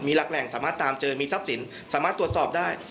มีหลักแหล่งสามารถตามเจอมีทรัพย์สินสามารถตรวจสอบได้